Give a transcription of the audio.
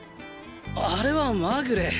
あれはマグレ！